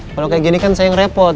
kalau kayak gini kan saya yang repot